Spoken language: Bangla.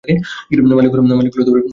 মালীগুলা আজকাল খুব ঘুমোচ্ছে।